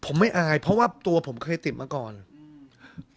ผมไม่อายเพราะว่าตัวผมเคยติดมาก่อนอืม